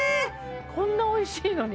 こんなおいしいのに？